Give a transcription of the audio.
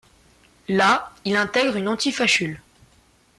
Là, il intègre une Antifa-Schule.